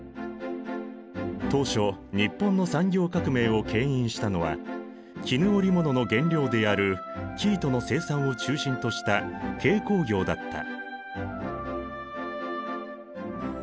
当初日本の産業革命をけん引したのは絹織物の原料である生糸の生産を中心とした軽工業だった。